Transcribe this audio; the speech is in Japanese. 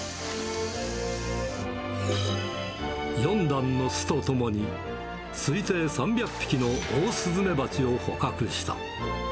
４段の巣とともに、推定３００匹のオオスズメバチを捕獲した。